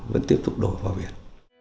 vẫn tiếp tục đổ vào biển